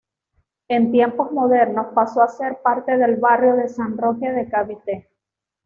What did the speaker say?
En tiempos modernos paso a ser parte del barrio de San Roque de Cavite.